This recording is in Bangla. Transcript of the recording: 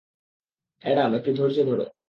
অ্যাডাম, একটু ধৈর্য ধর!